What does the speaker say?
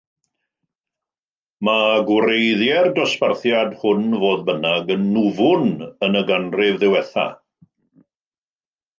Mae gwreiddiau'r dosbarthiad hwn, fodd bynnag, yn nwfn yn y ganrif ddiwethaf.